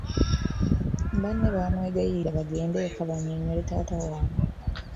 Banne bamwegayirira bagende eka bannyonnyole taata waabwe